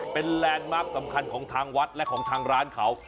เป็นแลนด์มาร์คสำคัญของทางวัดและของทางร้านเขา